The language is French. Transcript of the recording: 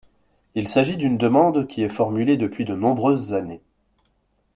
Il s’agit d’une demande qui est formulée depuis de nombreuses années.